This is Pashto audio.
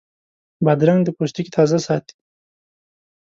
بادرنګ د پوستکي تازه ساتي.